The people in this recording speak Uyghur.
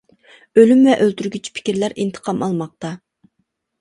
ئۆلۈك ۋە ئۆلتۈرگۈچى پىكىرلەر ئىنتىقام ئالماقتا.